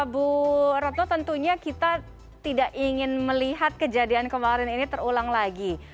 bu retno tentunya kita tidak ingin melihat kejadian kemarin ini terulang lagi